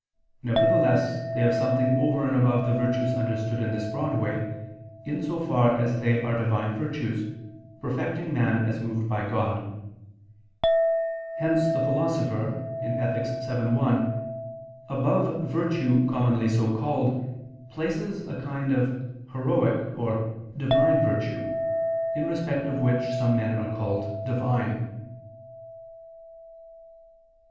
Nevertheless, they have something over and above the virtues understood in this broad way, in so far as they are Divine virtues, perfecting man as moved by God. Hence the Philosopher (Ethic. vii, 1) above virtue commonly so called, places a kind of "heroic" or "divine virtue [*_arete heroike kai theia_]," in respect of which some men are called "divine."